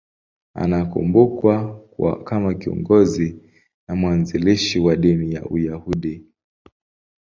Anakumbukwa kama kiongozi na mwanzilishi wa dini ya Uyahudi.